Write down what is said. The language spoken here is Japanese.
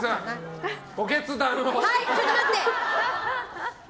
ちょっと待って。